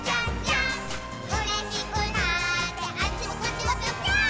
「うれしくなってあっちもこっちもぴょぴょーん」